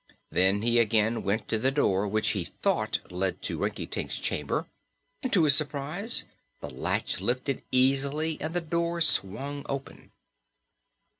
Then he again went to the door which he thought led to Rinkitink's chamber and to his surprise the latch lifted easily and the door swung open.